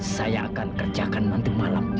saya akan kerjakan nanti malam